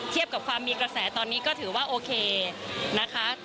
กับความมีกระแสตอนนี้ก็ถือว่าโอเคนะคะ